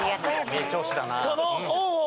名調子だな。